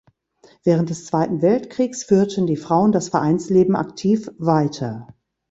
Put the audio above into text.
Während des Zweiten Weltkriegs führten die Frauen das Vereinsleben aktiv weiter.